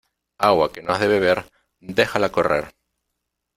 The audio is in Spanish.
Agua que no has de beber, déjala correr.